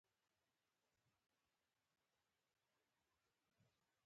ازادي راډیو د د اوبو منابع په اړه د نړیوالو مرستو ارزونه کړې.